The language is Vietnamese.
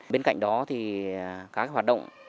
bên cạnh đó thì các hoạt động